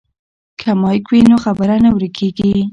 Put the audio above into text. که مایک وي نو خبره نه ورکیږي.